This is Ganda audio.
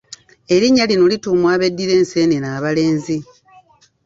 Erinnya lino lituumwa abeddira enseenene abalenzi.